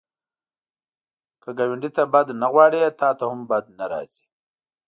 که ګاونډي ته بد نه غواړې، تا ته هم بد نه راځي